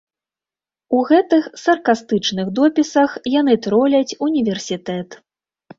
У гэтых саркастычных допісах яны троляць універсітэт.